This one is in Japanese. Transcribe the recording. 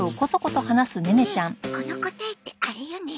ねえこの答えってあれよね？